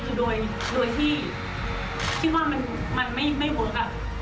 คือโดยที่คิดว่ามันไม่เวิร์ค